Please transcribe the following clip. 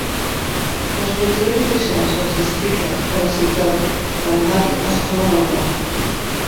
Les fronteres oficials dels districtes de la ciutat d'Almaty es troben al mapa.